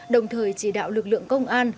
đồng thời chỉ đạo lực lượng công an